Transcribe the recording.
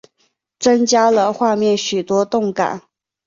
增加了画面许多动感